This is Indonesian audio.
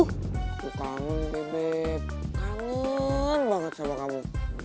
aku kangen bebek kangen banget sama kamu